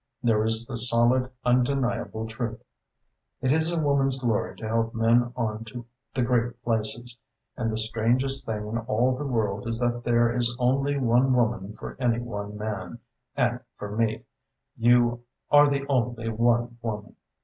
There is the solid, undeniable truth. It is a woman's glory to help men on to the great places, and the strangest thing in all the world is that there is only one woman for any one man, and for me you are the only one woman."